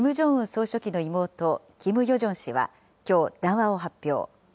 総書記の妹、キム・ヨジョン氏はきょう、談話を発表。